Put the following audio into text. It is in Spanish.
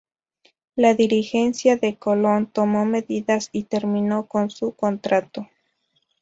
La dirigencia de Colón tomo medidas y terminó con su contrato.